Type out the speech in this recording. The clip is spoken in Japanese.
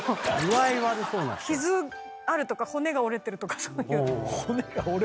傷あるとか骨が折れてるとか。